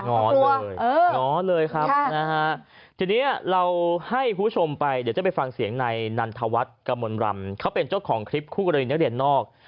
ง้อเลยครับนะฮะทีนี้เราให้คุณผู้ชมไปเดี๋ยวจะไปฟังเสียงในนันทวัฒน์กระมวลรำเขาเป็นเจ้าของคลิปคู่กรณีนักเรียนนอก